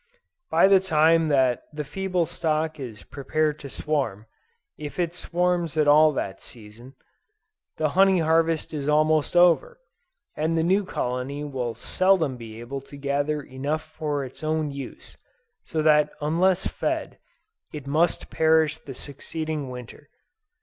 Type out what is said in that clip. By the time that the feeble stock is prepared to swarm, if it swarm at all that season, the honey harvest is almost over, and the new colony will seldom be able to gather enough for its own use, so that unless fed, it must perish the succeeding Winter.